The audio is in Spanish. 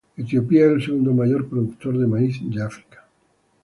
Etiopía es el segundo mayor productor de maíz de África.